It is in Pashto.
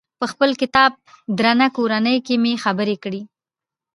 په خپل کتاب درنه کورنۍ کې مې خبرې کړي.